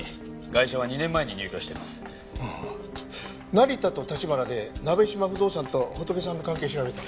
成田と橘で鍋島不動産とホトケさんの関係調べて。